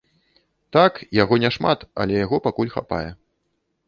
Так, яго не шмат, але яго пакуль хапае.